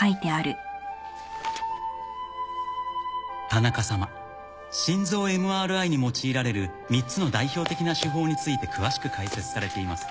「田中さま」「心臓ＭＲＩに用いられる３つの代表的な手法について詳しく解説されています。